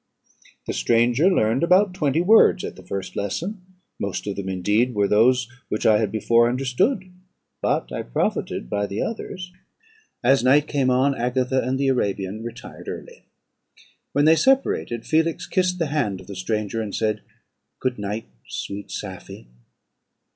The stranger learned about twenty words at the first lesson, most of them, indeed, were those which I had before understood, but I profited by the others. "As night came on, Agatha and the Arabian retired early. When they separated, Felix kissed the hand of the stranger, and said, 'Good night, sweet Safie.'